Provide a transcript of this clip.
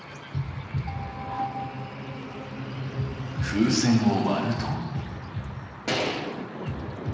風船を割ると。